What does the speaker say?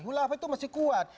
hilafah itu masih kuat